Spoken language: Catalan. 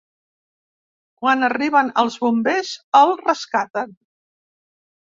Quan arriben els bombers el rescaten.